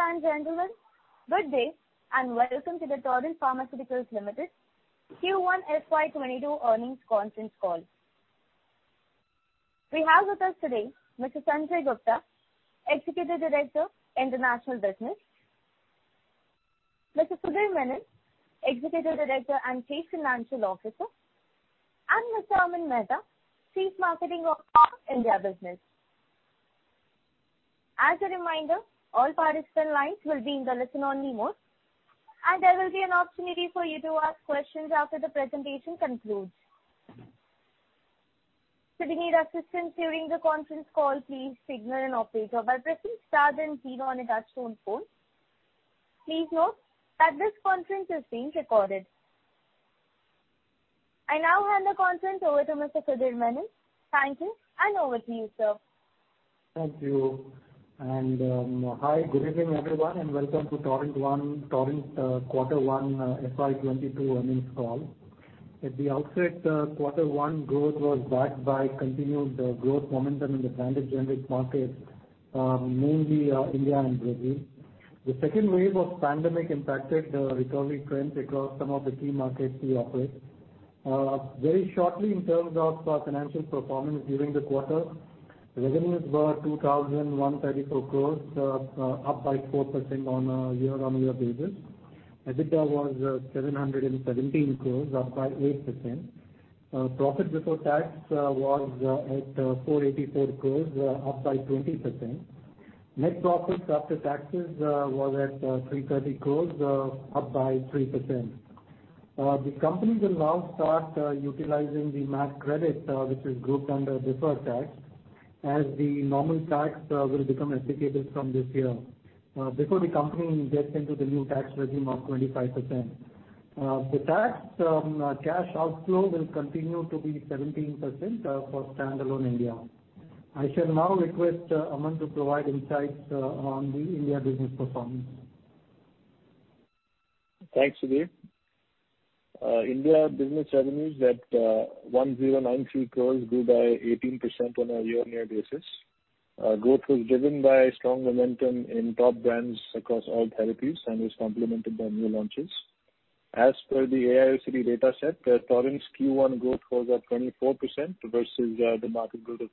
Ladies and gentlemen, good day and welcome to the Torrent Pharmaceuticals Limited Q1 FY 2022 earnings conference call. We have with us today Mr. Sanjay Gupta, Executive Director, International Business, Mr. Sudhir Menon, Executive Director and Chief Financial Officer, and Mr. Aman Mehta, Chief Marketing Officer, India Business. As a reminder, all participant lines will be in the listen-only mode, and there will be an opportunity for you to ask questions after the presentation concludes. Should you need assistance during the conference call, please signal an operator by pressing star then 0 on your touch-tone phone. Please note that this conference is being recorded. I now hand the conference over to Mr. Sudhir Menon. Thank you, and over to you, sir. Thank you. Hi. Good evening, everyone, and welcome to Torrent Quarter One FY 2022 earnings call. At the outset, quarter one growth was backed by continued growth momentum in the branded generic markets, mainly India and Brazil. The second wave of pandemic impacted the recovery trends across some of the key markets we operate. Very shortly, in terms of our financial performance during the quarter, revenues were 2,134 crores, up by 4% on a year-on-year basis. EBITDA was 717 crores, up by 8%. Profit before tax was at 484 crores, up by 20%. Net profit after taxes was at 330 crores, up by 3%. The company will now start utilizing the MAT credit, which is grouped under deferred tax, as the normal tax will become applicable from this year, before the company gets into the new tax regime of 25%. The tax cash outflow will continue to be 17% for standalone India. I shall now request Aman to provide insights on the India business performance. Thanks, Sudhir. India business revenues at 1,093 crores grew by 18% on a year-on-year basis. Growth was driven by strong momentum in top brands across all therapies and was complemented by new launches. As per the AIOCD data set, Torrent's Q1 growth was at 24% versus the market growth of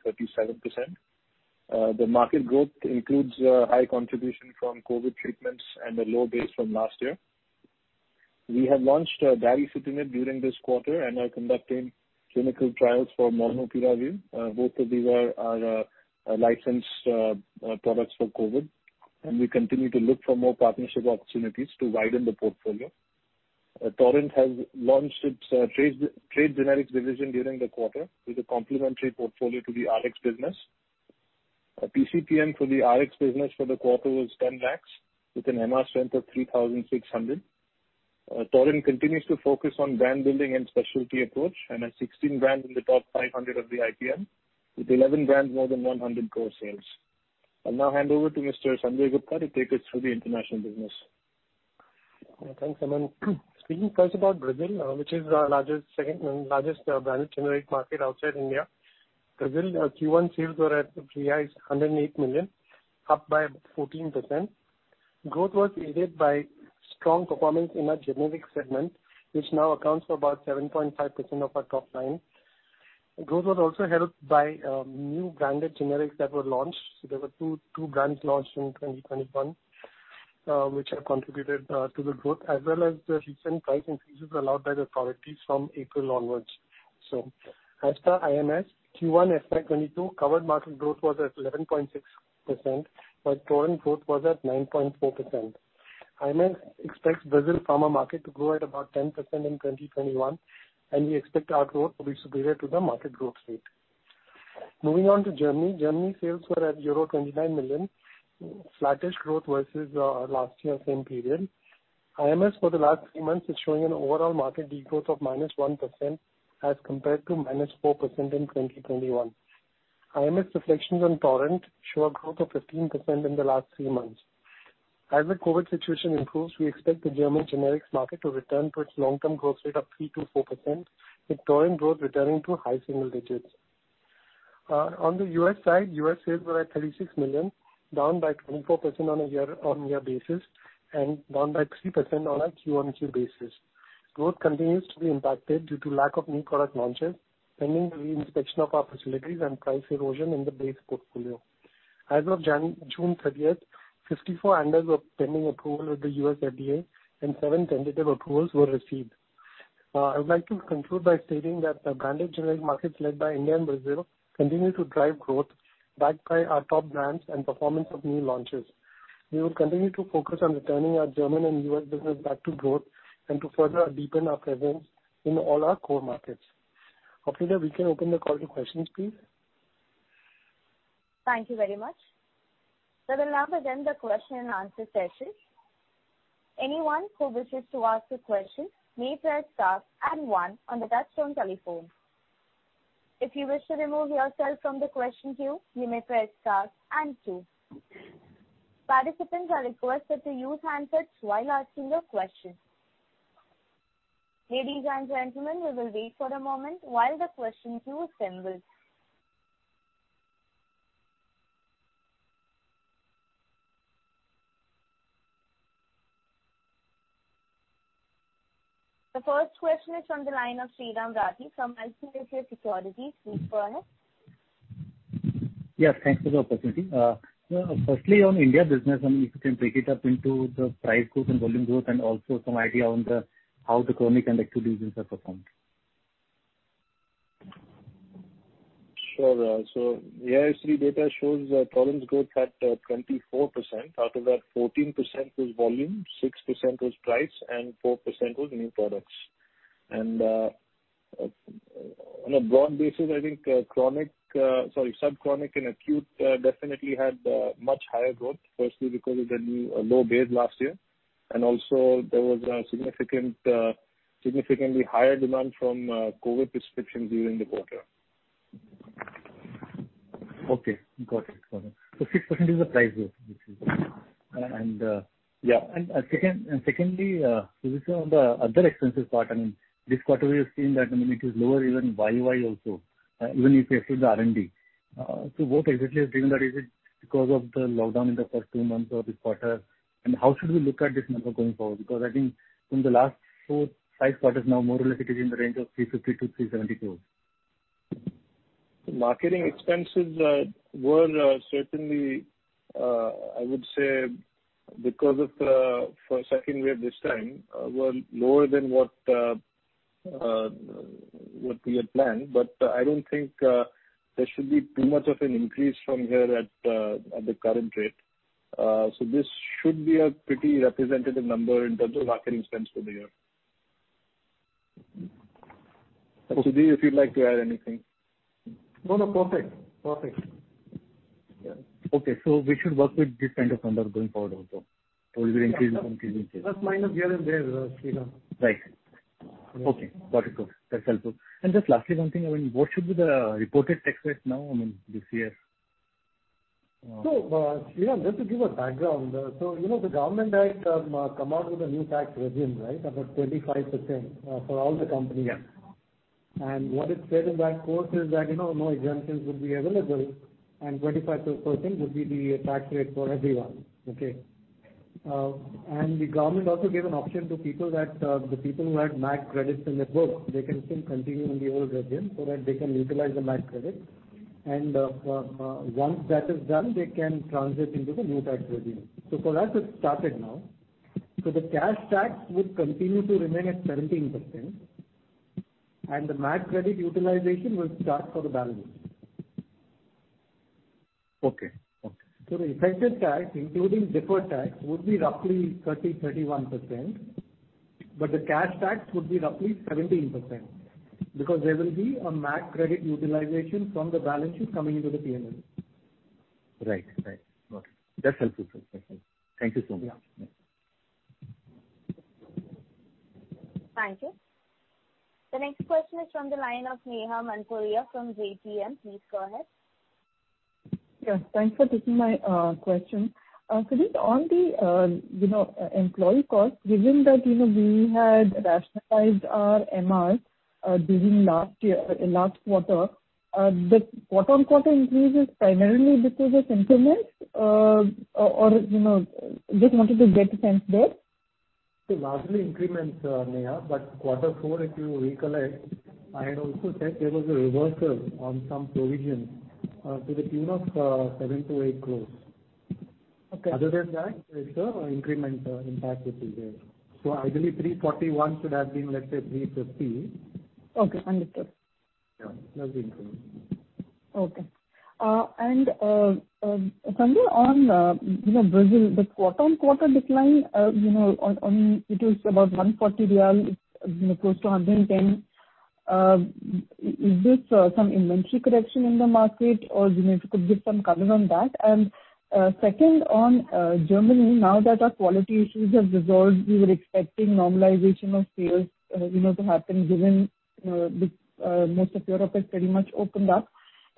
37%. The market growth includes a high contribution from COVID treatments and a low base from last year. We have launched baricitinib during this quarter and are conducting clinical trials for molnupiravir. Both of these are our licensed products for COVID, and we continue to look for more partnership opportunities to widen the portfolio. Torrent has launched its trade generics division during the quarter with a complementary portfolio to the Rx business. PCPM for the Rx business for the quarter was 10 lakhs with an MR strength of 3,600. Torrent continues to focus on brand building and specialty approach and has 16 brands in the top 500 of the IPM, with 11 brands more than 100 crore sales. I'll now hand over to Mr. Sanjay Gupta to take us through the international business. Thanks, Aman. Speaking first about Brazil, which is our second-largest branded generic market outside India. Brazil Q1 sales were at 108 million, up by 14%. Growth was aided by strong performance in our generic segment, which now accounts for about 7.5% of our top line. Growth was also helped by new branded generics that were launched. There were two brands launched in 2021, which have contributed to the growth as well as the recent price increases allowed by the authorities from April onwards. As per IMS, Q1 FY 2022 covered market growth was at 11.6%, but Torrent growth was at 9.4%. IMS expects Brazil pharma market to grow at about 10% in 2021, and we expect our growth to be superior to the market growth rate. Moving on to Germany. Germany sales were at euro 29 million, flattish growth versus last year same period. IMS for the last three months is showing an overall market degrowth of -1% as compared to -4% in 2021. IMS reflections on Torrent show a growth of 15% in the last three months. As the COVID situation improves, we expect the German generics market to return to its long-term growth rate of 3%-4%, with Torrent growth returning to high single digits. On the U.S. side, U.S. sales were at $36 million, down by 24% on a year-on-year basis and down by 3% on a Q1-to-Q basis. Growth continues to be impacted due to lack of new product launches, pending the re-inspection of our facilities and price erosion in the base portfolio. As of June 30th, 54 ANDAs were pending approval with the U.S. FDA and seven tentative approvals were received. I would like to conclude by stating that the branded generic markets led by India and Brazil continue to drive growth backed by our top brands and performance of new launches. We will continue to focus on returning our German and U.S. business back to growth and to further deepen our presence in all our core markets. Operator, we can open the call to questions, please. Thank you very much. We will now begin the question and answer session. Anyone who wishes to ask a question may press star and one on their touch-tone telephone. If you wish to remove yourself from the question queue, you may press star and two. Participants are requested to use handsets while asking their question. Ladies and gentlemen, we will wait for a moment while the question queue is tenfold. The first question is from the line of Sriram Rajeevan from ICICI Securities. Please go ahead. Yes, thanks for the opportunity. On India business, if you can break it up into the price growth and volume growth, and also some idea on how the chronic and acute business have performed. Sure. AIOCD data shows volume growth at 24%. Out of that, 14% was volume, 6% was price, and 4% was new products. On a broad basis, I think sub-chronic and acute definitely had much higher growth, firstly because it had low base last year, and also there was a significantly higher demand from COVID prescriptions during the quarter. Okay. Got it. 6% is the price growth. Yeah. Secondly, on the other expenses part, this quarter we have seen that it is lower even YoY also, even if you exclude the R&D. What exactly is driving that? Is it because of the lockdown in the first two months of this quarter? How should we look at this number going forward? I think in the last four, five quarters now, more or less it is in the range of 350-372. The marketing expenses were certainly, I would say because of the second wave this time, were lower than what we had planned. I don't think there should be too much of an increase from here at the current rate. This should be a pretty representative number in terms of marketing expense for the year. Sudhir, if you'd like to add anything. No, perfect. Okay. We should work with this kind of number going forward also, or will it increase from here? Plus, minus here and there, Sriram. Right. Okay. Got it. That's helpful. Just lastly, one thing, what should be the reported tax rate now this year? Sriram, just to give a background. The government had come out with a new tax regime, right? About 25% for all the companies. Yeah. What it said in that quote is that no exemptions would be available and 25% would be the tax rate for everyone. Okay? The government also gave an option to people that the people who had MAT credits in their books, they can still continue in the old regime so that they can utilize the MAT credits. Once that is done, they can transit into the new tax regime. For us, it's started now. The cash tax would continue to remain at 17%, and the MAT credit utilization will start for the balance. Okay. The effective tax, including deferred tax, would be roughly 30%, 31%, but the cash tax would be roughly 17%, because there will be a MAT credit utilization from the balances coming into the P&L. Right. Got it. That's helpful, sir. Thank you so much. Thank you. The next question is from the line of Neha Manpuria from JPMorgan. Please go ahead. Yes, thanks for taking my question. Sudhir, on the employee cost, given that we had rationalized our MR during last quarter, the quarter-on-quarter increase is primarily because of increments, or just wanted to get a sense there? Largely increments, Neha. Quarter four, if you recollect, I had also said there was a reversal on some provisions to the tune of 7%-8% growth. Okay. Other than that, it's the increment impact which is there. Ideally 341 should have been, let's say, 350. Okay, understood. Yeah, that's the increment. Sanjay, on Brazil, the quarter-on-quarter decline, it was about 140 real, close to 110. Is this some inventory correction in the market? If you could give some color on that. Second, on Germany, now that our quality issues have resolved, we were expecting normalization of sales to happen given most of Europe has pretty much opened up.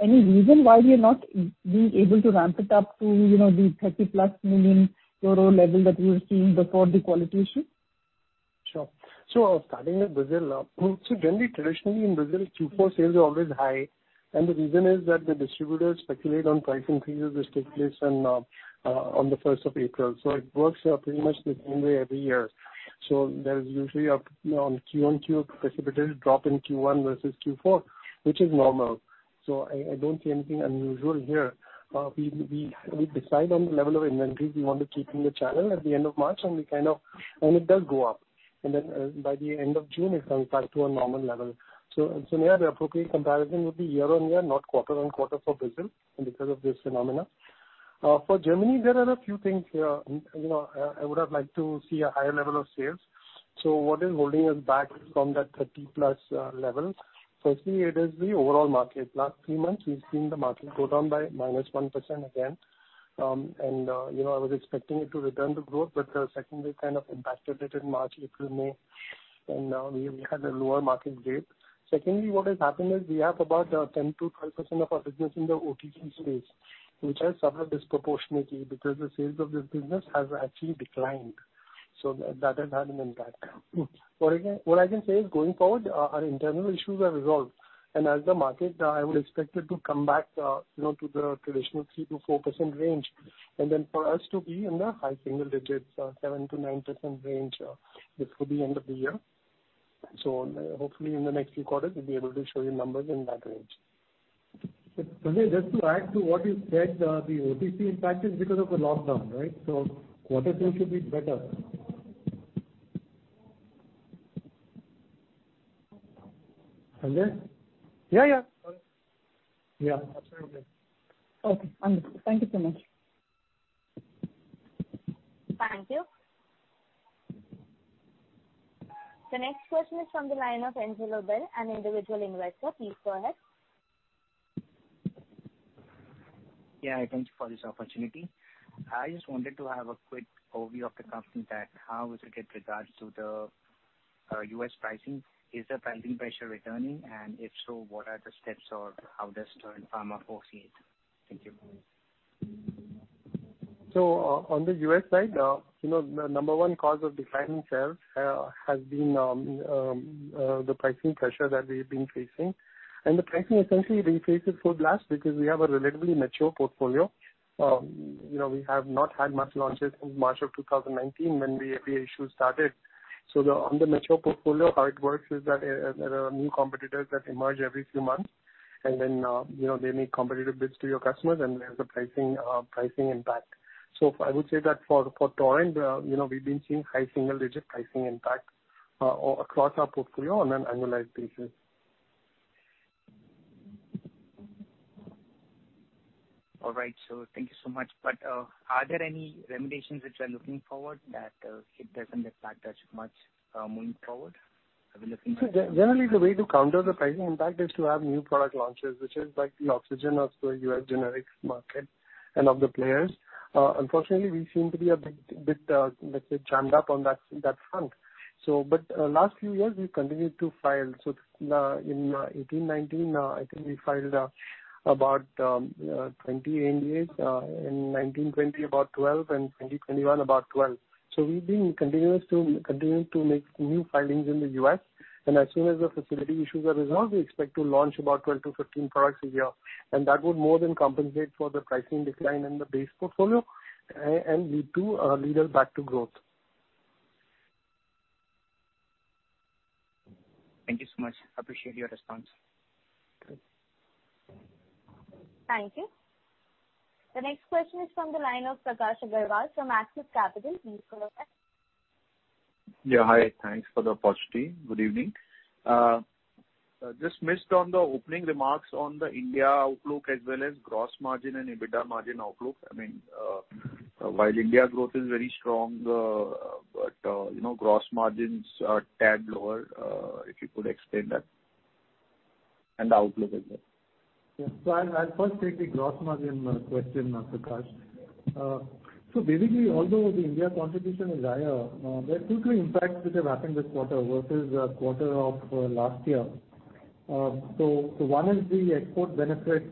Any reason why we are not being able to ramp it up to the 30+ million euro level that we were seeing before the quality issue? Sure. Starting with Brazil. Generally, traditionally in Brazil, Q4 sales are always high, and the reason is that the distributors speculate on price increases which take place on the 1st April. It works out pretty much the same way every year. There's usually a precipitous drop in Q1 versus Q4, which is normal. I don't see anything unusual here. We decide on the level of inventories we want to keep in the channel at the end of March, and it does go up. Then by the end of June, it comes back to a normal level. Neha, the appropriate comparison would be year-on-year, not quarter-on-quarter for Brazil because of this phenomenon. For Germany, there are a few things here. I would have liked to see a higher level of sales. What is holding us back from that 30+ level? Firstly, it is the overall market. Last three months, we've seen the market go down by -1% again. I was expecting it to return to growth, but the second wave kind of impacted it in March, April, May, and we had a lower market base. Secondly, what has happened is we have about 10%-12% of our business in the OTC space, which has suffered disproportionately because the sales of this business have actually declined. That has had an impact. What I can say is, going forward, our internal issues are resolved. As the market, I would expect it to come back to the traditional 3%-4% range, and then for us to be in the high single digits, 7%-9% range before the end of the year. Hopefully in the next few quarters, we'll be able to show you numbers in that range. Sudhir, just to add to what you said, the OTC impact is because of the lockdown, right? Quarter two should be better. Sudhir? Yeah. Yeah, absolutely. Okay. Thank you so much. Thank you. The next question is from the line of Angelo Bell, an individual investor. Please go ahead. Yeah. Thank you for this opportunity. I just wanted to have a quick overview of the company that how is it with regards to the U.S. pricing. Is the pricing pressure returning? If so, what are the steps, or how does Torrent Pharma foresee it? Thank you. On the U.S. side, the number one cause of decline in sales has been the pricing pressure that we've been facing. The pricing essentially we face it full blast because we have a relatively mature portfolio. We have not had much launches since March of 2019 when the API issue started. On the mature portfolio, how it works is that there are new competitors that emerge every few months, and then they make competitive bids to your customers, and there's a pricing impact. I would say that for Torrent, we've been seeing high single-digit pricing impact across our portfolio on an annualized basis. All right. Thank you so much. Are there any remediations which are looking forward that it doesn't impact as much, moving forward? Generally, the way to counter the pricing impact is to have new product launches, which is like the oxygen of the U.S. generics market and of the players. Unfortunately, we seem to be a bit, let's say, jammed up on that front. Last few years, we've continued to file. In 2018/2019, I think we filed about 28, in 2019/2020, about 12, and in 2020/2021, about 12. We've been continuing to make new filings in the U.S., and as soon as the facility issues are resolved, we expect to launch about 12-15 products a year. That would more than compensate for the pricing decline in the base portfolio and lead us back to growth. Thank you so much. Appreciate your response. Good. Thank you. The next question is from the line of Prakash Agarwal from Axis Capital. Please go ahead. Yeah. Hi. Thanks for the opportunity. Good evening. Just missed on the opening remarks on the India outlook as well as gross margin and EBITDA margin outlook. I mean, while India growth is very strong, but gross margins are tad lower. If you could explain that and the outlook as well. Yeah. I'll first take the gross margin question, Prakash. Basically, although the India contribution is higher, there are two key impacts which have happened this quarter versus quarter of last year. One is the export benefit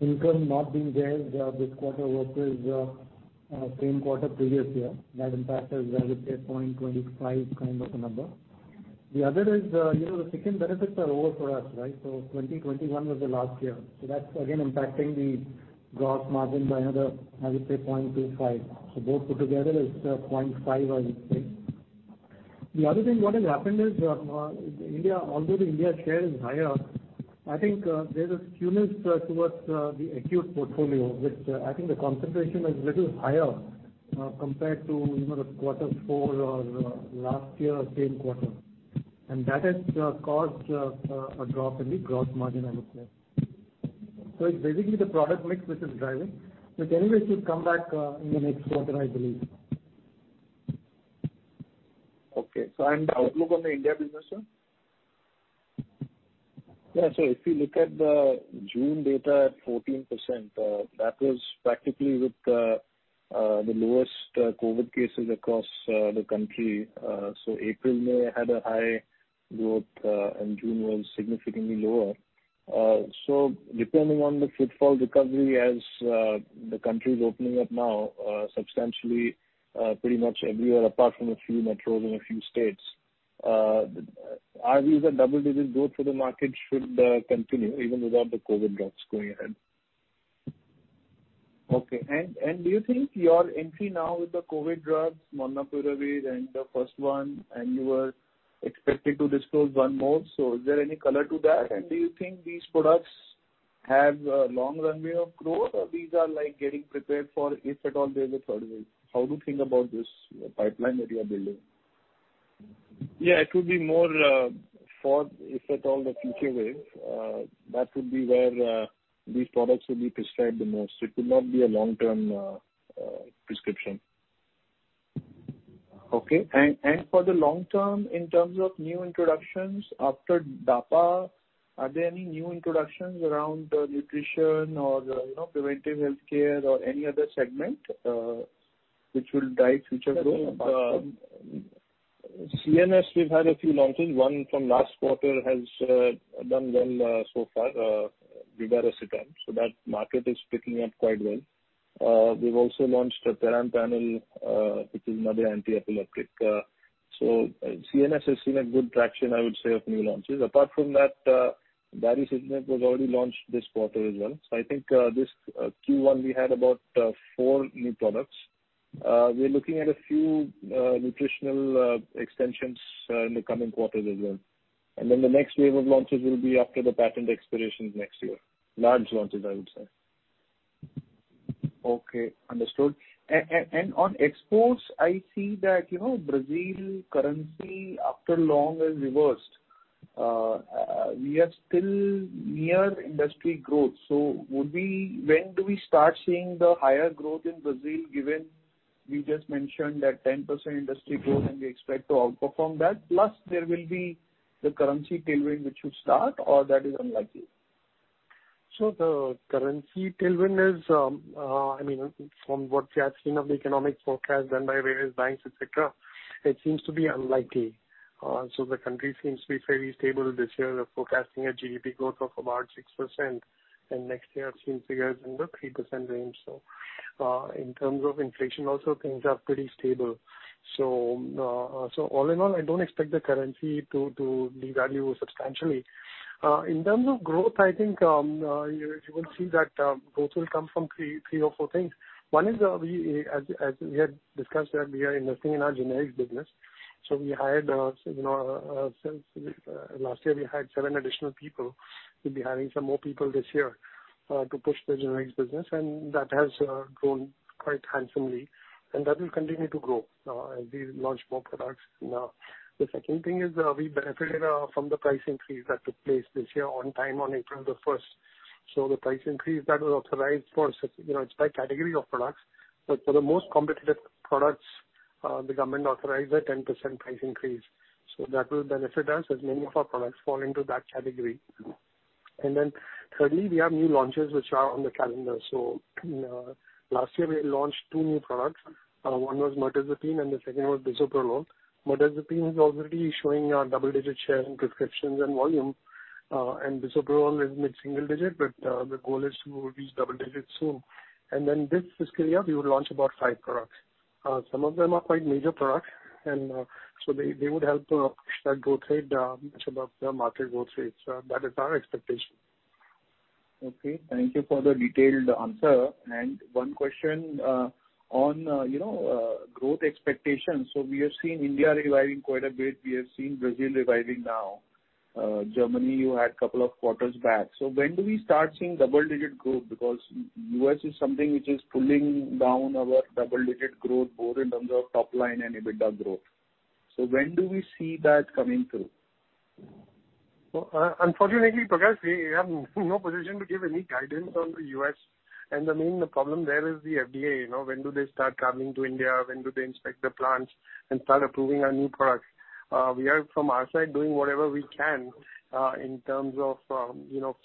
income not being there this quarter versus same quarter previous year. That impact is, I would say, 0.25 kind of a number. The other is the Section 80 benefits are over for us, right? 2020 was the last year. That's again impacting the gross margin by another, I would say, 0.25. Both put together is 0.5, I would say. The other thing, what has happened is although the India share is higher, I think there's a skewness towards the acute portfolio, which I think the concentration is little higher compared to quarter four of last year, same quarter. That has caused a drop in the gross margin, I would say. It's basically the product mix which is driving. Anyway, it should come back in the next quarter, I believe. Okay. The outlook on the India business, sir? If you look at the June data at 14%, that was practically with the lowest COVID cases across the country. April, May had a high growth, and June was significantly lower. Depending on the footfall recovery as the country is opening up now substantially pretty much everywhere apart from a few metros and a few states, our view is that double-digit growth for the market should continue even without the COVID drugs going ahead. Okay. Do you think your entry now with the COVID drugs, molnupiravir and the first one, and you were expecting to disclose one more, is there any color to that? Do you think these products have a long runway of growth or these are getting prepared for if at all there's a third wave? How do you think about this pipeline that you are building? Yeah, it would be more for if at all the future wave. That would be where these products will be prescribed the most. It would not be a long-term prescription. Okay. For the long term, in terms of new introductions after dapagliflozin, are there any new introductions around nutrition or preventive healthcare or any other segment which will drive future growth? CNS, we've had a few launches. One from last quarter has done well so far, brivaracetam. That market is picking up quite well. We've also launched perampanel, which is another antiepileptic. CNS has seen a good traction, I would say, of new launches. Apart from that, Baricitinib was already launched this quarter as well. I think this Q1, we had about four new products. We're looking at a few nutritional extensions in the coming quarters as well. The next wave of launches will be after the patent expirations next year. Large launches, I would say. Okay, understood. On exports, I see that Brazil currency after long has reversed. We are still near industry growth. When do we start seeing the higher growth in Brazil, given you just mentioned that 10% industry growth and we expect to outperform that, plus there will be the currency tailwind, which you start or that is unlikely? The currency tailwind is, from what we have seen of the economic forecast done by various banks, et cetera, it seems to be unlikely. The country seems to be fairly stable this year. They're forecasting a GDP growth of about 6% and next year have seen figures in the 3% range. In terms of inflation also, things are pretty stable. All in all, I don't expect the currency to devalue substantially. In terms of growth, I think you will see that growth will come from three or four things. One is, as we had discussed, that we are investing in our generics business. Since last year, we hired seven additional people. We'll be hiring some more people this year to push the generics business, and that has grown quite handsomely and that will continue to grow as we launch more products. The second thing is we benefited from the price increase that took place this year on time, on April 1st. The price increase that was authorized for, it's by category of products, but for the most competitive products, the government authorized a 10% price increase. That will benefit us as many of our products fall into that category. Thirdly, we have new launches which are on the calendar. Last year we launched two new products. One was mirtazapine and the second was bisoprolol. Mirtazapine is already showing a double-digit share in prescriptions and volume. Bisoprolol is mid-single digit, but the goal is to reach double-digits soon. This fiscal year, we will launch about five products. Some of them are quite major products, they would help push that growth rate, much above the market growth rate. That is our expectation. Okay, thank you for the detailed answer. One question on growth expectations. We are seeing India reviving quite a bit. We are seeing Brazil reviving now. Germany, you had couple of quarters back. When do we start seeing double-digit growth? Because U.S. is something which is pulling down our double-digit growth, both in terms of top line and EBITDA growth. When do we see that coming through? Unfortunately, Prakash, we have no position to give any guidance on the U.S. and the main problem there is the FDA. When do they start coming to India? When do they inspect the plants and start approving our new products? We are, from our side, doing whatever we can in terms of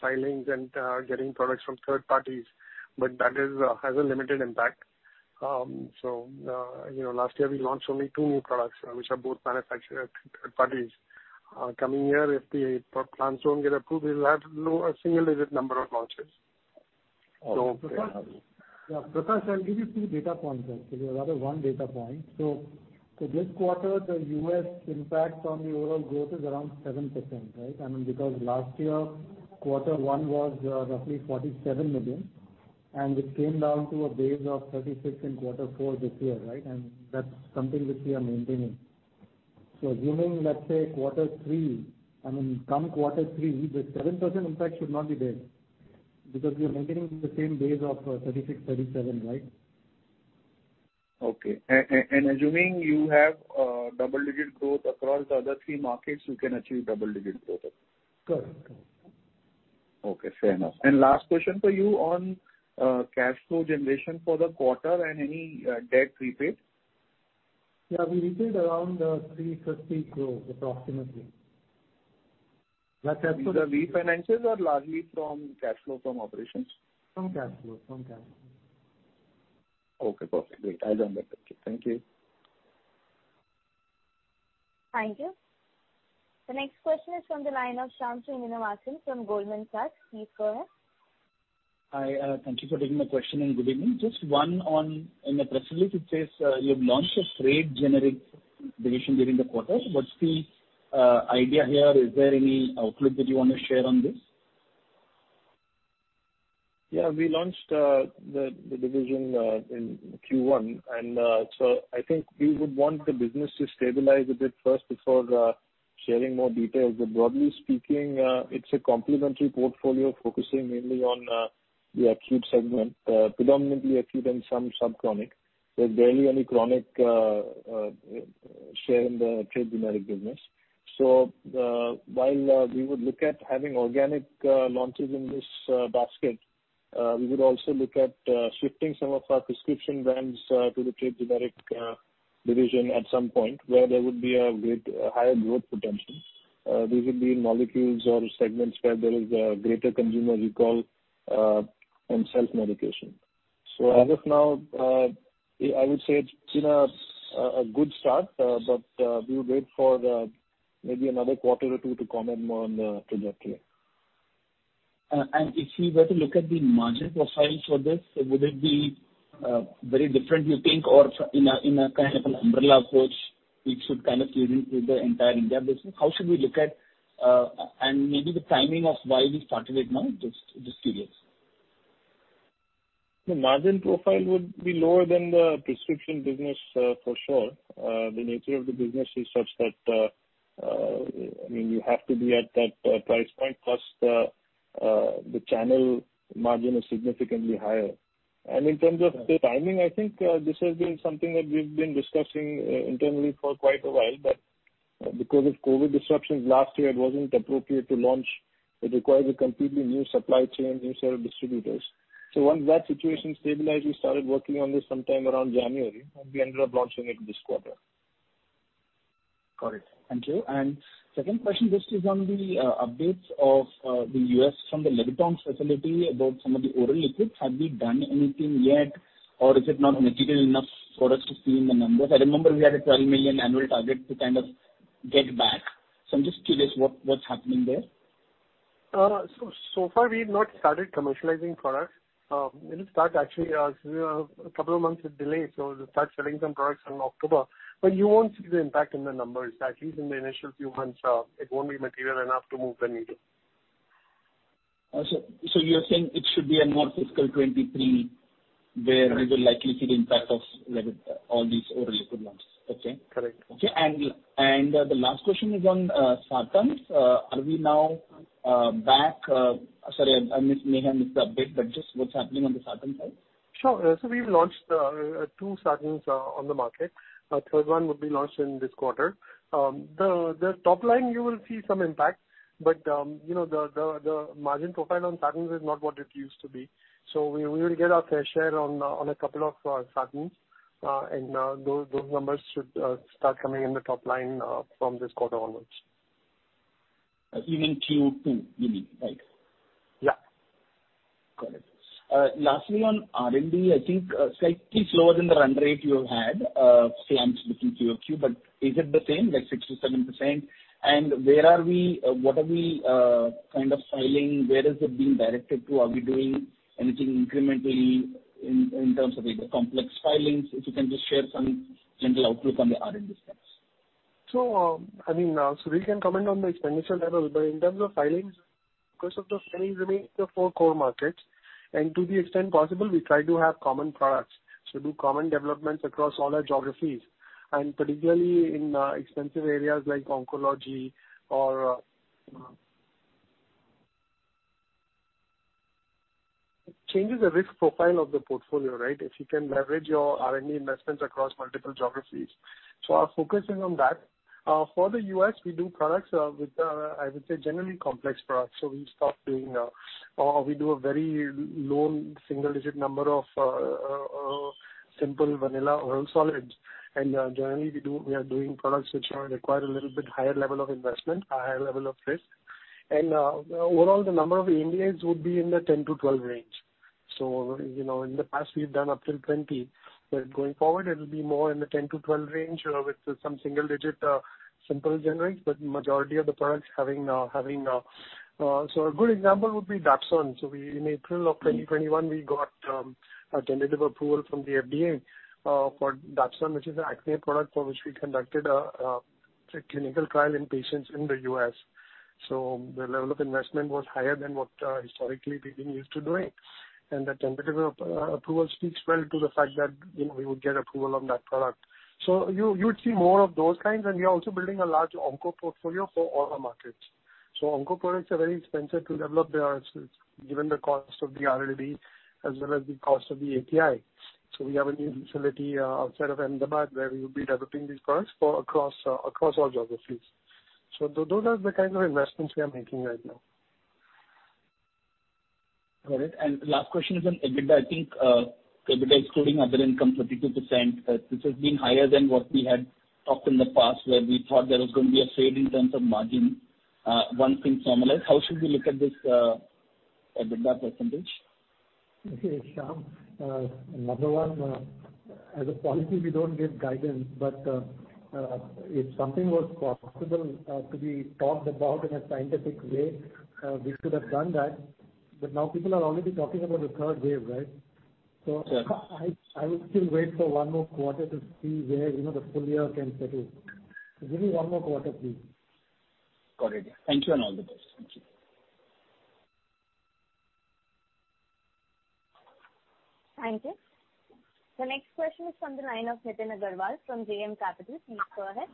filings and getting products from third parties, but that has a limited impact. Last year we launched only two new products, which are both manufacturer third parties. Coming here, if the plants don't get approved, we'll have a single digit number of launches. Okay. Prakash, I'll give you few data points actually, or rather one data point. For this quarter, the U.S. impact on the overall growth is around 7%, right? Because last year, quarter one was roughly $47 million, and it came down to a base of $36 million in quarter four this year, right? That's something which we are maintaining. Assuming, let's say quarter three, come quarter three, the 7% impact should not be there because we are maintaining the same base of $36 million-$37 million, right? Okay. Assuming you have double-digit growth across the other three markets, you can achieve double-digit growth. Correct. Okay, fair enough. Last question for you on cash flow generation for the quarter and any debt repaid. Yeah, we repaid around 350 crores approximately. These are refinances or largely from cash flow from operations? From cash flow. Okay, perfect. Great. I'll join that. Thank you. Thank you. The next question is from the line of Shyam Sundar from Goldman Sachs. Please go ahead. Hi. Thank you for taking my question and good evening. In the press release it says you've launched a trade generic division during the quarter. What's the idea here? Is there any outlook that you want to share on this? Yeah, we launched the division in Q1. I think we would want the business to stabilize a bit first before sharing more details. Broadly speaking, it's a complementary portfolio focusing mainly on the acute segment, predominantly acute and some sub-chronic. There's barely any chronic share in the trade generic business. While we would look at having organic launches in this basket, we would also look at shifting some of our prescription brands to the trade generic division at some point where there would be a higher growth potential. These would be molecules or segments where there is a greater consumer recall on self-medication. As of now, I would say it's been a good start, but we'll wait for maybe another quarter or two to comment more on the trajectory. If we were to look at the margin profile for this, would it be very different, you think? In a kind of an umbrella approach, it should kind of season with the entire India business. How should we look at, and maybe the timing of why we started it now? Just curious. The margin profile would be lower than the prescription business for sure. The nature of the business is such that you have to be at that price point plus the channel margin is significantly higher. In terms of the timing, I think this has been something that we've been discussing internally for quite a while, but because of COVID disruptions last year, it wasn't appropriate to launch. It requires a completely new supply chain, new set of distributors. Once that situation stabilized, we started working on this sometime around January, and we ended up launching it this quarter. Got it. Thank you. Second question, just is on the updates of the U.S. from the Levittown facility about some of the oral liquids. Have we done anything yet or is it not material enough for us to see in the numbers? I remember we had a $12 million annual target to kind of get back. I'm just curious what's happening there. So far, we've not started commercializing products. We'll start actually a couple of months with delay. We'll start selling some products in October. You won't see the impact in the numbers. At least in the initial few months, it won't be material enough to move the needle. You're saying it should be a more fiscal 2023 where we will likely see the impact of all these oral liquid launches, okay? Correct. Okay. The last question is on statins. Are we now Sorry, I may have missed the update, but just what's happening on the statin side? Sure. We've launched two statins on the market. Our third one would be launched in this quarter. The top line you will see some impact, but the margin profile on statins is not what it used to be. We will get our fair share on a couple of statins, and those numbers should start coming in the top line from this quarter onwards. Even Q2, you mean, right? Yeah. Got it. Lastly on R&D, I think slightly slower than the run rate you have had. Say I'm speaking QOQ, is it the same, like 6%-7%? Where are we, what are we kind of filing, where is it being directed to? Are we doing anything incrementally in terms of either complex filings? If you can just share some general outlook on the R&D space. Sudhir can comment on the expenditure level, but in terms of filings, because of the filings remain the four core markets, and to the extent possible, we try to have common products. We do common developments across all our geographies, and particularly in expensive areas like oncology. It changes the risk profile of the portfolio, right? If you can leverage your R&D investments across multiple geographies. Our focus is on that. For the U.S., we do products with, I would say, generally complex products. We do a very low single-digit number of simple vanilla oral solids. Generally, we are doing products which require a little bit higher level of investment, a higher level of risk. Overall, the number of INDs would be in the 10-12 range. In the past we've done up till 20, but going forward it'll be more in the 10-12 range, with some single digit simple generics. A good example would be dapsone. In April of 2021, we got a tentative approval from the FDA for dapsone, which is an acne product for which we conducted a clinical trial in patients in the U.S. The level of investment was higher than what historically we've been used to doing. The tentative approval speaks well to the fact that we would get approval on that product. You would see more of those kinds, and we are also building a large onco portfolio for all our markets. Onco products are very expensive to develop. They are given the cost of the R&D as well as the cost of the API. We have a new facility outside of Ahmedabad where we will be developing these products across all geographies. Those are the kind of investments we are making right now. Got it. Last question is on EBITDA. I think, EBITDA excluding other income, 32%, this has been higher than what we had talked in the past where we thought there was going to be a trade in terms of margin. One thing, Sudhir, how should we look at this EBITDA percentage? Okay, Shyam. Number one, as a policy, we don't give guidance, but if something was possible to be talked about in a scientific way, we could have done that. Now people are already talking about the third wave, right? Sure. I would still wait for one more quarter to see where the full year can settle. Give me one more quarter, please. Got it. Thank you and all the best. Thank you. Thank you. The next question is from the line of Nitin Agarwal from DAM Capital. Please go ahead.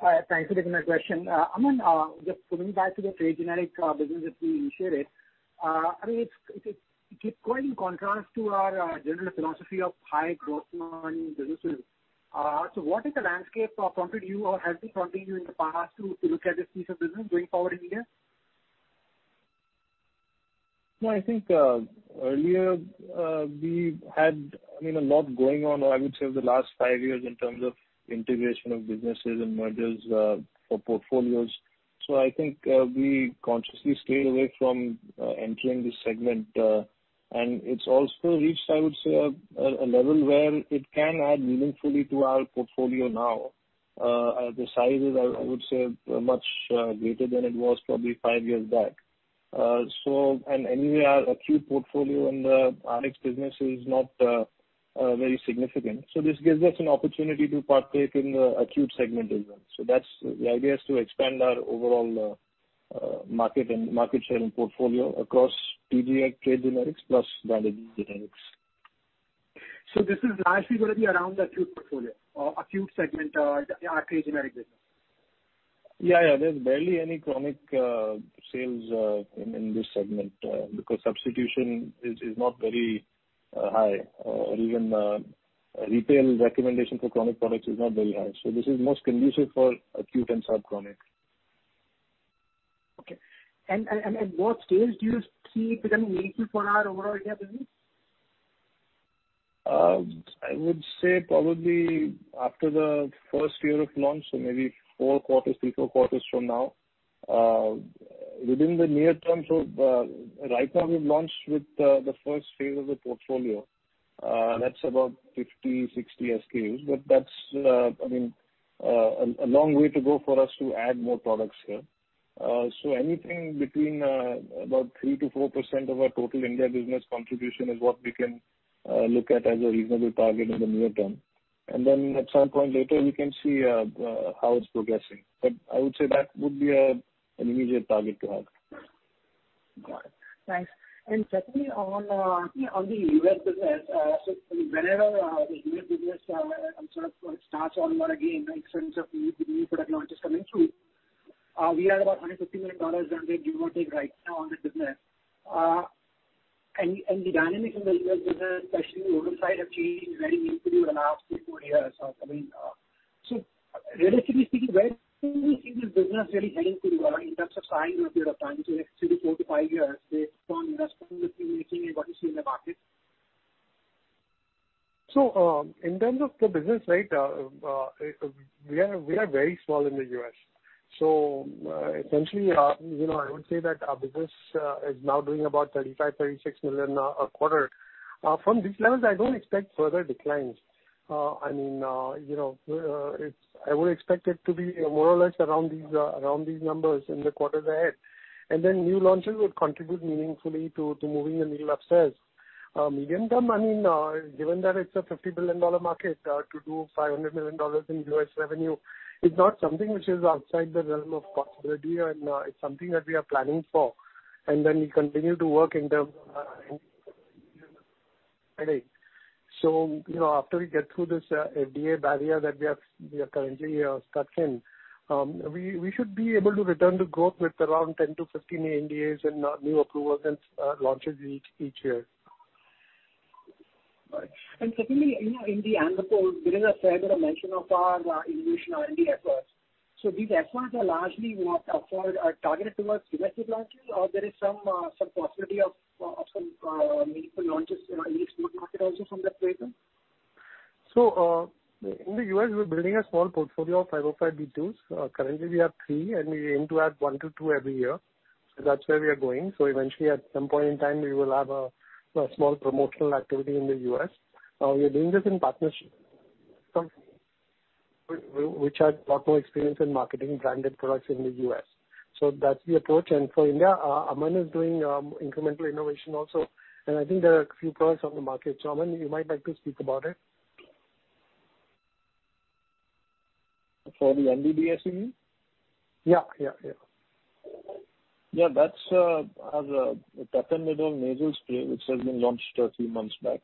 Hi. Thank you for taking my question. Aman, just coming back to the trade generic business that we initiated. I mean, it keeps going in contrast to our general philosophy of high growth margin businesses. What is the landscape prompted you or has been prompting you in the past to look at this piece of business going forward in the years? No, I think earlier we had a lot going on, I would say, over the last five years in terms of integration of businesses and mergers for portfolios. I think we consciously stayed away from entering this segment, and it's also reached, I would say, a level where it can add meaningfully to our portfolio now. The size is, I would say, much greater than it was probably five years back. Anyway, our acute portfolio in the Rx business is not very significant. This gives us an opportunity to partake in the acute segment as well. The idea is to expand our overall market and market sharing portfolio across TG trade generics plus branded generics. This is largely going to be around the acute portfolio or acute segment, our Trade Generic business. Yeah. There's barely any chronic sales in this segment because substitution is not very high. Even retail recommendation for chronic products is not very high. This is most conducive for acute and sub-chronic. Okay. At what stage do you see it becoming meaningful for our overall India Business? I would say probably after the first year of launch, so maybe three, four quarters from now. Within the near term, right now we've launched with the first phase of the portfolio. That's about 50, 60 SKUs. That's a long way to go for us to add more products here. Anything between about 3%-4% of our total India business contribution is what we can look at as a reasonable target in the near term. At some point later, we can see how it's progressing. I would say that would be an immediate target to have. Got it. Thanks. Secondly, on the U.S. business. Whenever the U.S. business starts all over again in terms of new product launches coming through, we are about $150 million give or take right now on that business. The dynamics in the U.S. business, especially the other side, have changed very meaningfully over the last three, four years or something. Relatively speaking, where do you see this business really heading to over in terms of time, over a period of time, so next three to four to five years based on investments you're making and what you see in the market? In terms of the business, we are very small in the U.S. Essentially, I would say that our business is now doing about $35 million-$36 million a quarter. From these levels, I don't expect further declines. I would expect it to be more or less around these numbers in the quarters ahead. New launches would contribute meaningfully to moving the needle upstairs. Medium-term, given that it's a $50 billion market, to do $500 million in U.S. revenue is not something which is outside the realm of possibility, and it's something that we are planning for. We continue to work. After we get through this FDA barrier that we are currently stuck in, we should be able to return to growth with around 10-15 new NDAs and new approvals and launches each year. Right. Secondly, in the annual report, there is a fair bit of mention of our innovation or NDA efforts. These efforts are largely targeted towards domestic launches or there is some possibility of some meaningful launches in the export market also from that placement? In the U.S., we're building a small portfolio of 505(b)(2)s. Currently we have three, and we aim to add one to two every year. That's where we are going. Eventually at some point in time, we will have a small promotional activity in the U.S. We are doing this in partnership with some companies which have got more experience in marketing branded products in the U.S. That's the approach. For India, Aman is doing incremental innovation also, and I think there are a few products on the market. Aman, you might like to speak about it. For the NDDs, you mean? Yeah. Yeah, that's our patented nasal spray, which has been launched a few months back.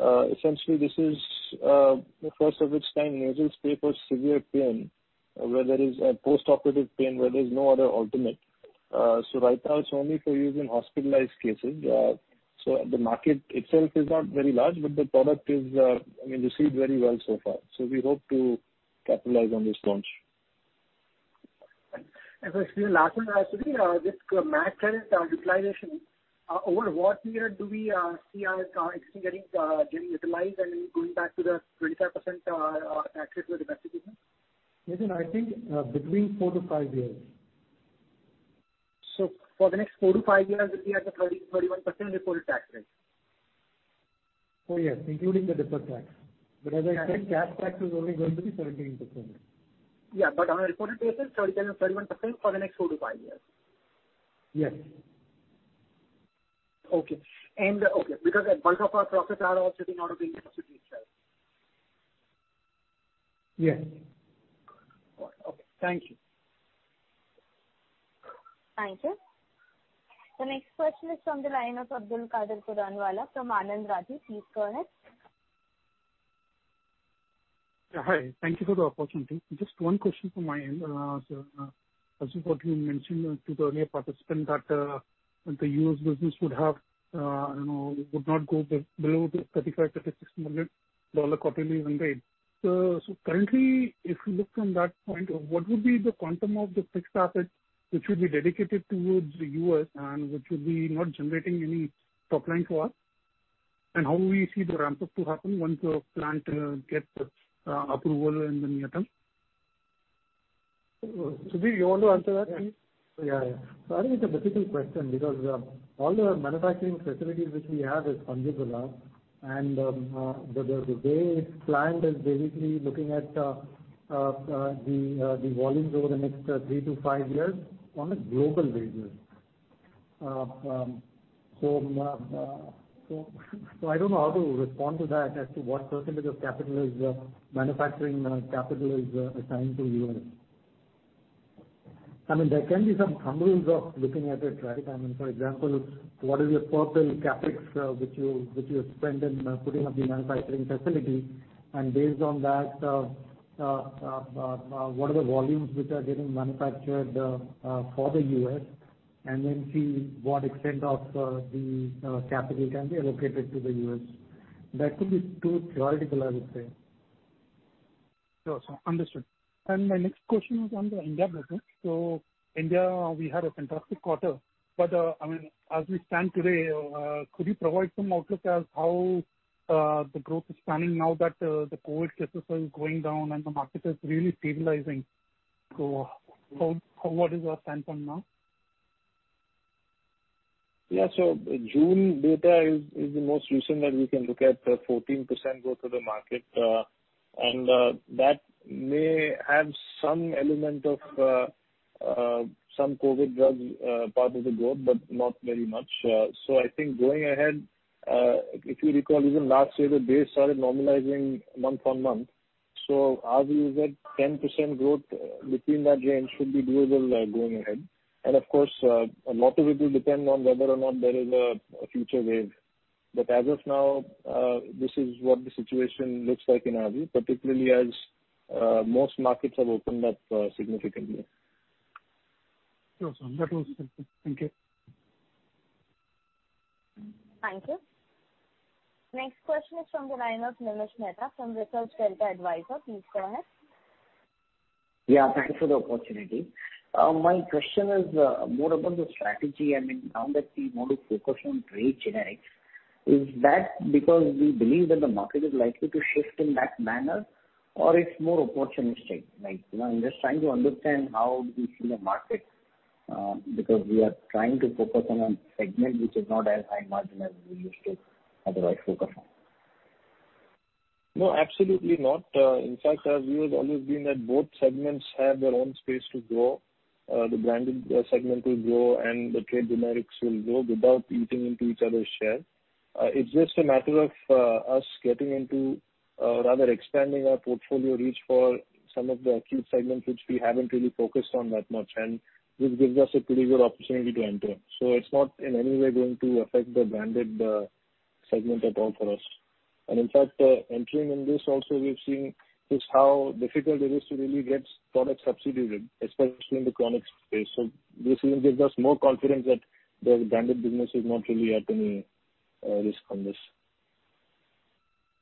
Essentially this is the first of its kind nasal spray for severe pain, where there is a postoperative pain, where there's no other alternate. Right now it's only for use in hospitalized cases. The market itself is not very large, but the product has received very well so far. We hope to capitalize on this launch. Lastly, with tax rate utilization, over what period do we see our existing getting utilized and going back to the 25% tax rate domestic business? Nitin, I think between four to five years. For the next four to five years, we'll be at the 30%-31% reported tax rate. Oh, yes, including the deferred tax. As I said, cash tax is only going to be 17%. Yeah. On a reported basis, 30%-31% for the next four to five years. Yes. Okay. A bulk of our profits are also [in order being constituted itself.] Yes. Got it. Okay. Thank you. Thank you. The next question is from the line of Abdul Kader Kudanwala from Anand Rathi. Please go ahead. Yeah. Hi. Thank you for the opportunity. Just one question from my end. [Ashok], what you mentioned to the earlier participant that the U.S. business would not go below the $35 million, $36 million quarterly even made. Currently, if you look from that point of what would be the quantum of the fixed assets which would be dedicated towards the U.S. and which would be not generating any top line to us? How we see the ramp up to happen once our plant gets approval in the near term. Sudhir, you want to answer that please? Yeah. I think it's a difficult question because all the manufacturing facilities which we have is flexible now and the way it's planned is basically looking at the volumes over the next three to five years on a global basis. I don't know how to respond to that as to what percentage of manufacturing capital is assigned to U.S. There can be some thumb rules of looking at it, right? For example, what is your total CapEx which you have spent in putting up the manufacturing facility, and based on that, what are the volumes which are getting manufactured for the U.S., and then see what extent of the capital can be allocated to the U.S. That could be too theoretical, I would say. Sure. Understood. My next question is on the India business. India, we had a fantastic quarter. As we stand today, could you provide some outlook as how the growth is planning now that the COVID cases are going down and the market is really stabilizing. What is our standpoint now? Yeah. June data is the most recent that we can look at, 14% growth of the market. That may have some element of some COVID drug part of the growth, but not very much. I think going ahead, if you recall even last year, the base started normalizing month-on-month. Our view is that 10% growth between that range should be doable going ahead. Of course, a lot of it will depend on whether or not there is a future wave. As of now, this is what the situation looks like in our view, particularly as most markets have opened up significantly. Sure, [Sudhir]. That was helpful. Thank you. Thank you. Next question is from the line of Nilesh Mehta from Research Delta Advisors. Please go ahead. Thank you for the opportunity. My question is more about the strategy. Now that we want to focus on trade generics, is that because we believe that the market is likely to shift in that manner, or it's more opportunistic? I'm just trying to understand how do we see the market, because we are trying to focus on a segment which is not as high margin as we used to otherwise focus on. No, absolutely not. In fact, our view has always been that both segments have their own space to grow. The branded segment will grow, and the trade generics will grow without eating into each other's share. It's just a matter of us getting into, or rather expanding our portfolio reach for some of the acute segments which we haven't really focused on that much, and this gives us a pretty good opportunity to enter. It's not in any way going to affect the branded segment at all for us. In fact, entering in this also we've seen just how difficult it is to really get products substituted, especially in the chronic space. This even gives us more confidence that the branded business is not really at any risk from this.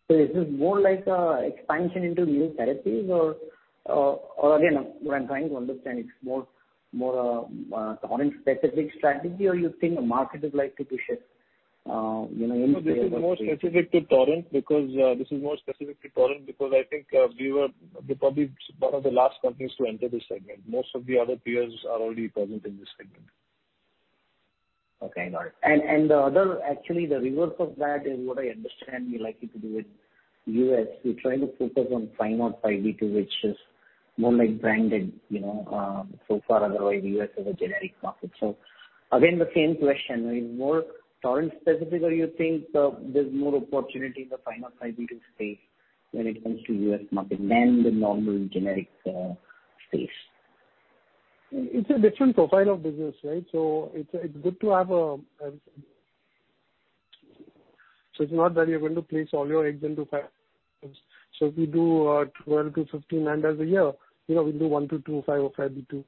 Is this more like a expansion into new therapies? Again, what I'm trying to understand, it's more a Torrent specific strategy or you think the market is likely to shift in favor of trade? No, this is more specific to Torrent because I think we were probably one of the last companies to enter this segment. Most of the other peers are already present in this segment. Okay, got it. The other, actually, the reverse of that is what I understand you're likely to do with U.S. You're trying to focus on 505(b)(2), which is more like branded, so far otherwise U.S. is a generic market. Again, the same question, is it more Torrent specific or you think there's more opportunity in the 505(b)(2) space when it comes to U.S. market than the normal generic space? It's a different profile of business, right? It's not that you're going to place all your eggs into 505(b)(2). If we do 12-15 ANDAs a year, we'll do one to two 505(b)(2),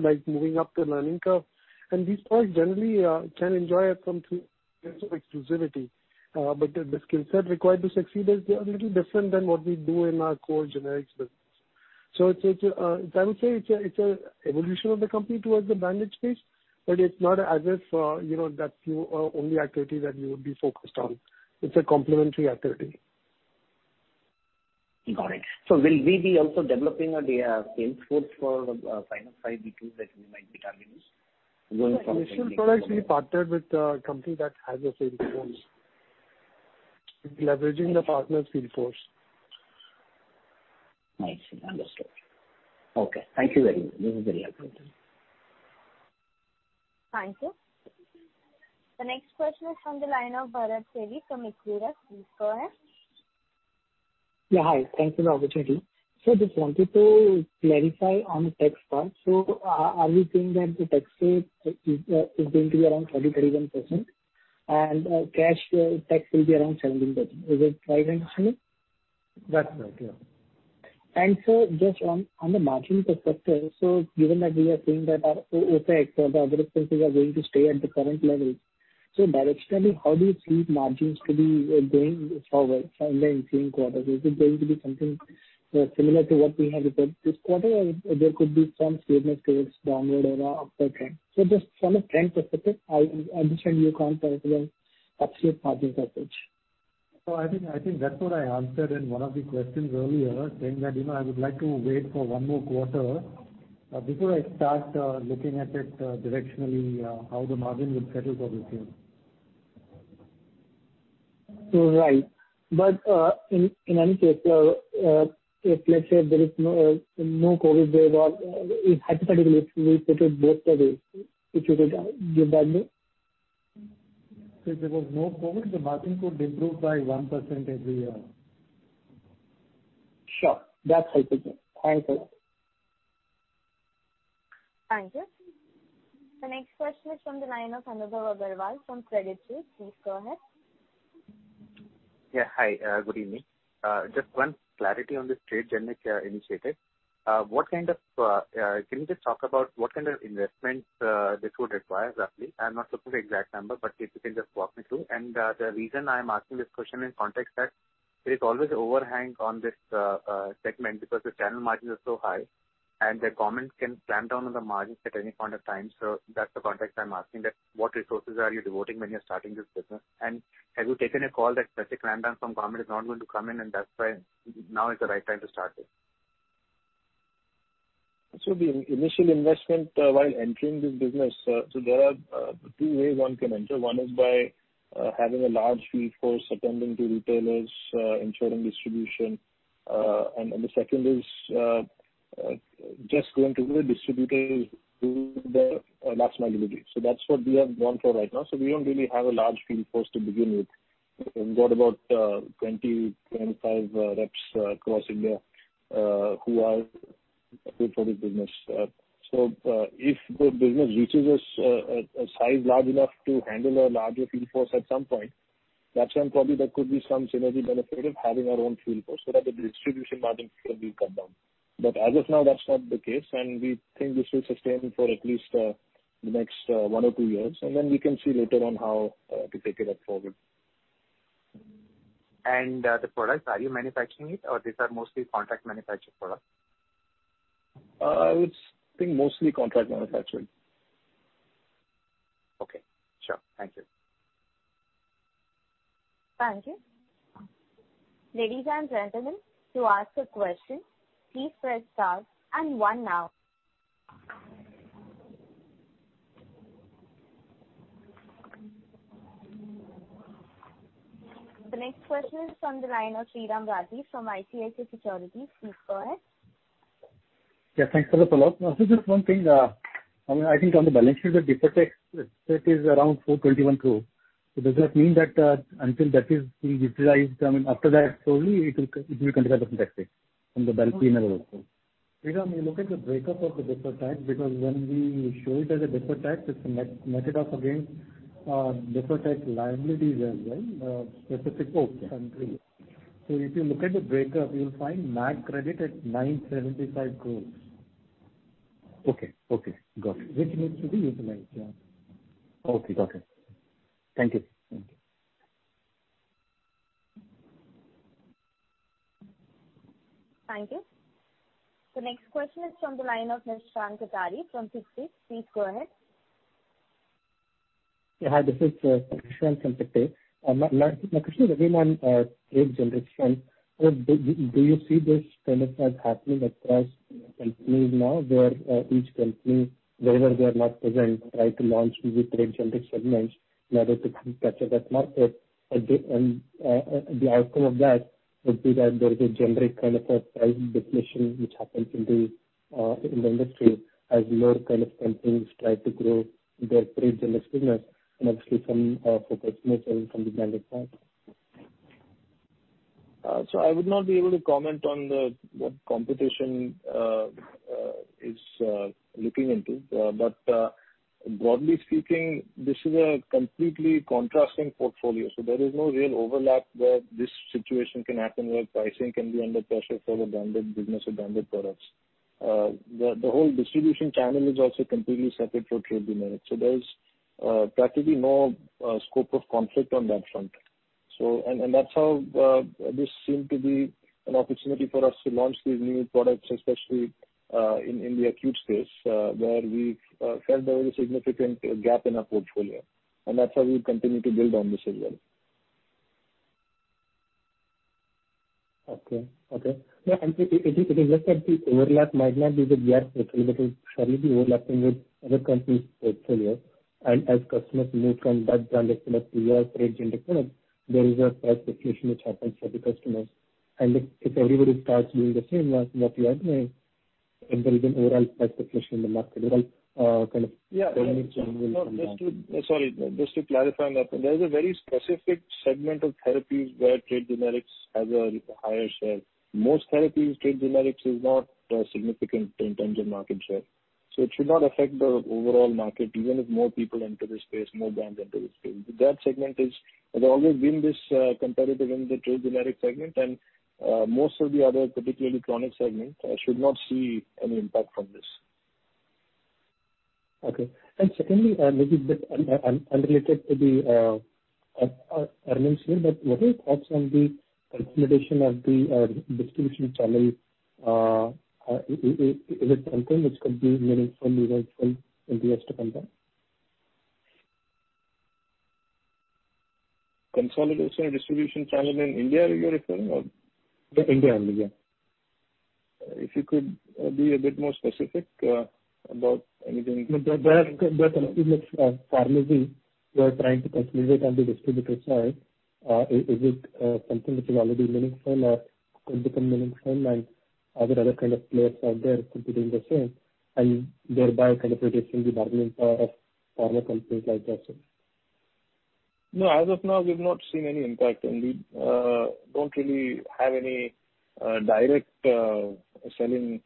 like moving up the learning curve. These products generally can enjoy some periods of exclusivity. The skill set required to succeed is a little different than what we do in our core generics business. I would say it's an evolution of the company towards the branded space, but it's not as if that's the only activity that we would be focused on. It's a complementary activity. Got it. Will we be also developing a sales force for 505(b)(2) that we might be targeting? Initial products, we partnered with a company that has a sales force. We'll be leveraging the partner's field force. I see. Understood. Okay. Thank you very much. This is very helpful. Thank you. The next question is from the line of Bharat Sethi from Ikiru. Please go ahead. Yeah, hi. Thank you for the opportunity. Just wanted to clarify on the tax part. Are we saying that the tax rate is going to be around 30%-31% and cash tax will be around 17%? Is it right, Sudhir? That's right. Yeah. Sir, just on the margin perspective, given that we are saying that our OpEx or the other expenses are going to stay at the current levels. Directionally, how do you see margins to be going forward in the ensuing quarters? Is it going to be something similar to what we have observed this quarter or there could be some smoothness towards downward or upward trend? Just from a trend perspective, I understand you can't provide an absolute margin percentage. I think that's what I answered in one of the questions earlier, saying that I would like to wait for one more quarter before I start looking at it directionally, how the margin will settle for this year. Right. In any case, if let's say there is no COVID wave or if hypothetically if we put it both studies, if you could give that to me. If there was no COVID, the margin could improve by 1% every year. Sure. That's helpful. Thank you. Thank you. The next question is from the line of Anubhav Agarwal from Credit Suisse. Please go ahead. Hi, good evening. Just one clarity on this Trade Generic initiative. Can you just talk about what kind of investments this would require, roughly? I'm not looking for the exact number, but if you can just walk me through. The reason I'm asking this question in context that there is always a overhang on this segment because the channel margins are so high, and the government can clamp down on the margins at any point of time. That's the context I'm asking that what resources are you devoting when you're starting this business? Have you taken a call that basic clamp down from government is not going to come in, and that's why now is the right time to start it? The initial investment while entering this business, there are two ways one can enter. One is by having a large field force attending to retailers, ensuring distribution. The second is just going through a distributor to their maximum ability. That's what we have gone for right now. We don't really have a large field force to begin with. We've got about 20, 25 reps across India who are good for this business. If the business reaches a size large enough to handle a larger field force at some point, that time probably there could be some synergy benefit of having our own field force so that the distribution margin will come down. As of now, that's not the case, and we think this will sustain for at least the next one or two years, and then we can see later on how to take it up forward. The products, are you manufacturing it or these are mostly contract manufactured products? I would think mostly contract manufacturing. Okay, sure. Thank you. Thank you. Ladies and gentlemen, to ask a question, please press star and one now. The next question is from the line of Sriram Rajeevan from ICICI Securities. Please go ahead. Yeah, thanks for the call. Just one thing. I think on the balance sheet, the deferred tax listed is around 421 crore. Does that mean that until that is being utilized, I mean, after that only it will be considered as a tax save from the balcony level also? Sriram, you look at the breakup of the deferred tax because when we show it as a deferred tax, it's netted off against deferred tax liabilities as well, specific country. Okay. If you look at the breakup, you'll find net credit at 975 crores. Okay. Got it. Which needs to be utilized, yeah. Okay. Got it. Thank you. Thank you. The next question is from the line of Mr. Shankh Dhari from Sixth Street. Please go ahead. Hi, this is Shankh from Sixth Street. My question is again on trade generics. Do you see this kind of thing happening across companies now where each company, wherever they're not present, try to launch new trade generic segments in order to capture that market? The outcome of that would be that there is a generic kind of a price deflation which happens in the industry as more kind of companies try to grow their trade generic business and obviously some focus moves away from the branded side. I would not be able to comment on what competition is looking into. Broadly speaking, this is a completely contrasting portfolio. There is no real overlap where this situation can happen, where pricing can be under pressure for the branded business or branded products. The whole distribution channel is also completely separate for trade generics. There's practically no scope of conflict on that front. That's how this seemed to be an opportunity for us to launch these new products, especially in the acute space, where we felt there was a significant gap in our portfolio. That's why we continue to build on this as well. Okay. Yeah, it is just that the overlap might not be with your portfolio, but it will surely be overlapping with other company's portfolio. As customers move from that branded product to your trade generic product, there is a price deflation which happens for the customers. If everybody starts doing the same as what you are doing, there is an overall price deflation in the market. Yeah. Price will come down. Sorry, just to clarify on that point. There's a very specific segment of therapies where trade generics has a higher share. Most therapies, trade generics is not significant in terms of market share. It should not affect the overall market, even if more people enter the space, more brands enter the space. That segment has always been this competitive in the trade generic segment, most of the other, particularly chronic segment, should not see any impact from this. Okay. Secondly, maybe a bit unrelated to the earnings here, what are your thoughts on the consolidation of the distribution channel? Is it something which could be meaningful, neutral in the years to come down? Consolidation of distribution channel in India, you're referring or? India only, yeah. If you could be a bit more specific about anything. The consolidation of pharmacy, they're trying to consolidate on the distributor side. Is it something which is already meaningful or could become meaningful and are there other kind of players out there competing the same and thereby kind of reducing the bargaining power of pharma companies like yourself? As of now, we've not seen any impact, and we don't really have any direct selling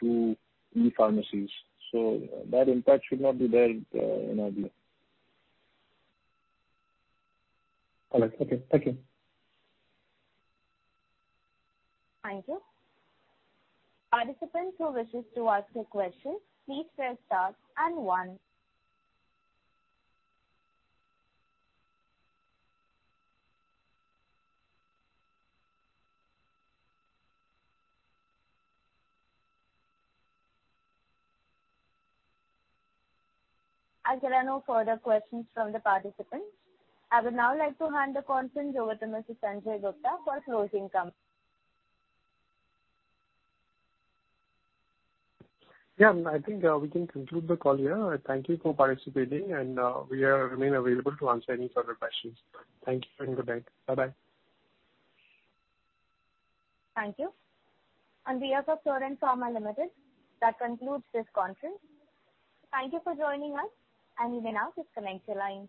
to e-pharmacies. That impact should not be there in our view. All right. Okay. Thank you. Thank you. Participants who wishes to ask a question, please press star and one. There are no further questions from the participants, I would now like to hand the conference over to Mr. Sanjay Gupta for closing comments. Yeah, I think we can conclude the call here. Thank you for participating, and we remain available to answer any further questions. Thank you and good day. Bye-bye. Thank you. On behalf of Torrent Pharmaceuticals Ltd, that concludes this conference. Thank you for joining us, and you may now disconnect your lines.